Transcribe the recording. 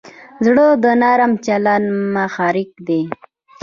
زړه د نرم چلند محرک دی.